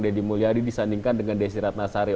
deddy mulyadi disandingkan dengan desi ratnasari